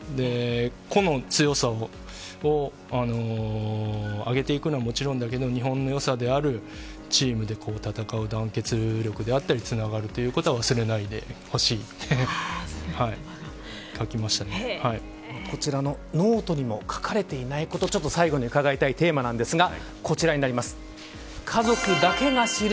個の強さを上げていくのは、もちろんだけど日本の良さであるチームで戦う団結力だったりつながるということは忘れないでほしいこちらのノートにも書かれていないこと最後に伺いたいテーマなんですがこちらになります。